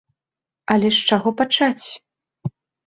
Але з чаго пачаць?